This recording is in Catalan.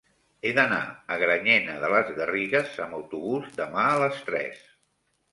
He d'anar a Granyena de les Garrigues amb autobús demà a les tres.